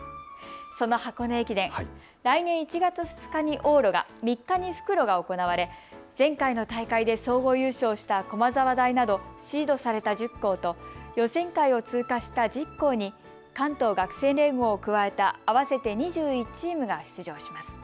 その箱根駅伝、来年１月２日に往路、３日に復路が行われ前回の大会で総合優勝した駒沢大などシードされた１０校と予選会を通過した１０校と合わせて２１チームが出場します。